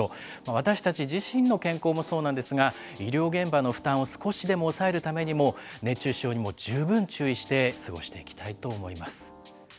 私たち自身の健康もそうなんですが、医療現場の負担を少しでも抑えるためにも、熱中症にも十分注意して過ごしていきたいと思います。